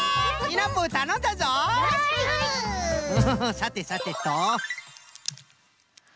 さてさてと。